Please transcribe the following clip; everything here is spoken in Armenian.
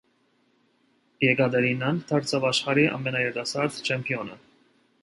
Եկատերինան դարձավ աշխարհի ամենաերիտասարդ չեմպիոնը։